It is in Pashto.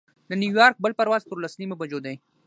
د نیویارک بل پرواز پر لس نیمو بجو دی.